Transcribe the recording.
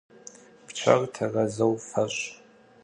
Пчъэр тэрэзэу фэшӀ!